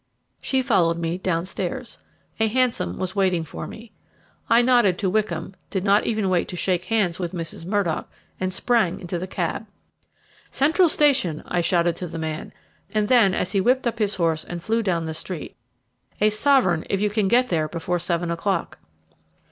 She followed me downstairs. A hansom was waiting for me. I nodded to Wickham, did not even wait to shake hands with Mrs. Murdock, and sprang into the cab. "Central Station!" I shouted to the man; and then as he whipped up his horse and flew down the street, "A sovereign if you get there before seven o'clock."